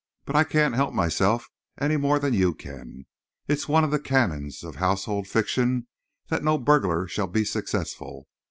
"But I can't help myself any more than you can. It's one of the canons of household fiction that no burglar shall be successful.